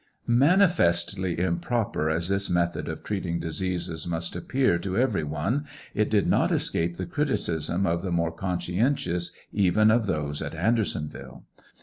Manifestly improper as this method of treating diseases must appear to ever; one, it did not escape the criticism of the more conscientious, even of those a Andersonville.